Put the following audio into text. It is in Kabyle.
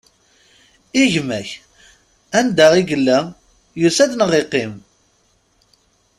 I gma-k, anda i yella? Yusa-d neɣ yeqqim?